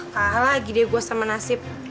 kalah lagi deh gue sama nasib